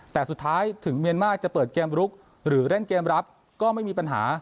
แต่สุดท้ายถึงเมียนมาร์จะเปิดเกมลุกหรือเล่นเกมรับก็ไม่มีปัญหา